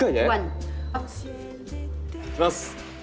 いきます！